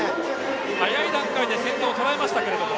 早い段階で先頭をとらえました。